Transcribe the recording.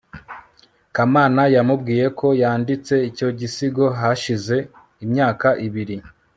kamana yamubwiye ko yanditse icyo gisigo hashize imyaka ibiri